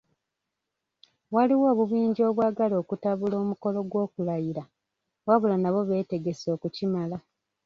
Waliwo obubinja obwagala okutabula omukolo gw'okulayira, wabula nabo beetegese ekimala.